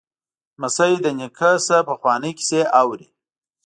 لمسی له نیکه نه پخوانۍ کیسې اوري.